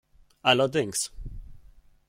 Allerdings.